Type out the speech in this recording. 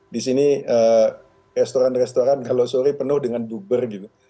di sini restoran restoran kalau sore penuh dengan buber gitu